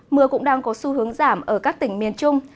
mưa cũng đang có xu hướng giảm ở các tỉnh miền trung